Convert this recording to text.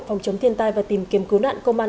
phòng chống thiên tai và tìm kiếm cứu nạn công an